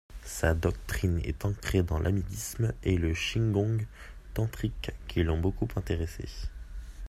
Sa doctrine est ancrée dans l’amidisme et le Shingon tantrique qui l’ont beaucoup intéressé.